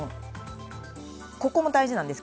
ここも大事です。